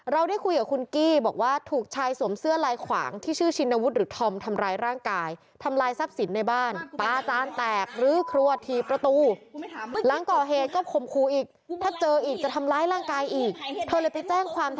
เราได้คุยกับคุณกี้บอกว่า